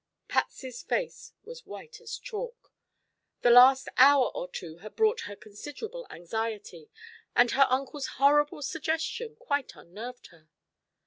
Patsy's face was white as chalk. The last hour or two had brought her considerable anxiety and her uncle's horrible suggestion quite unnerved her.